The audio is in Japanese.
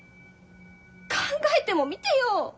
考えてもみてよ。